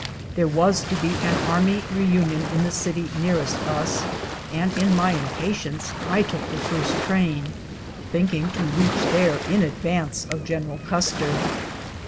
There was to be an army reunion in the city nearest us, and in my impatience I took the first train, thinking to reach there in advance of General Custer.